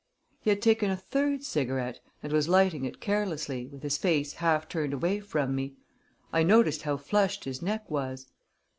He had taken a third cigarette, and was lighting it carelessly, with his face half turned away from me. I noticed how flushed his neck was.